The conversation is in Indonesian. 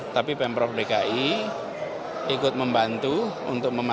tapi pemprov dki ikut membantu untuk memastikan